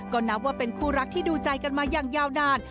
ก็นับว่าเป็นคู่รักที่ดูใจกันมาอย่างยาวนาน